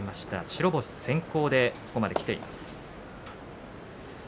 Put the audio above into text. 白星先行でここまできています。